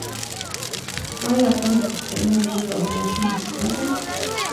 آیا اټن د پښتنو ملي او حماسي نڅا نه ده؟